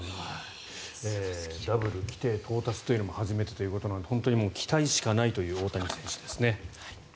ダブルで規定投球回到達というのも初めてのことなので本当に期待しかないという大谷選手ですね。